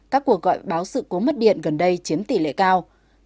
các cuộc gọi báo sự cố mất điện gần đây chiếm tỷ lệ cao